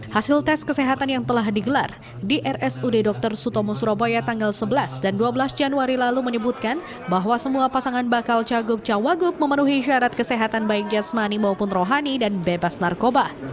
hasil tes kesehatan yang telah digelar di rsud dr sutomo surabaya tanggal sebelas dan dua belas januari lalu menyebutkan bahwa semua pasangan bakal cagup cawagup memenuhi syarat kesehatan baik jasmani maupun rohani dan bebas narkoba